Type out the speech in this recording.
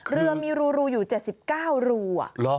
เรือมีรูอยู่๗๙รู